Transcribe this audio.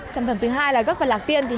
sản phẩm thứ hai là gốc và lạc tiên